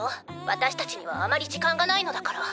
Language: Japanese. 私たちにはあまり時間がないのだから。